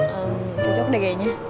emm cocok deh kayaknya